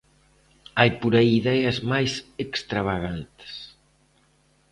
Hai por aí ideas máis extravagantes.